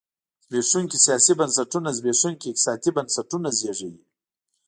زبېښونکي سیاسي بنسټونه زبېښونکي اقتصادي بنسټونه زېږوي.